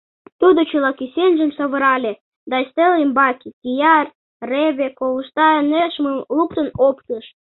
Тудо чыла кӱсенжым савырале да ӱстел ӱмбаке кияр, реве, ковышта нӧшмым луктын оптыш.